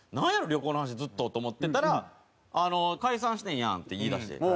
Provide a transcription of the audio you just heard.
旅行の話ずっとと思ってたら「解散してんやん」って言いだして。